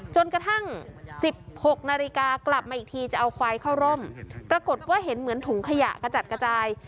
จนกระทั่ง๑๖นาฬิกากลับมาอีกทีจะเอาควายเข้าร่มปรากฏว่าเห็นเหมือนถุงขยะกระจัดกระจาย